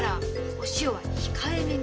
お塩は控えめに。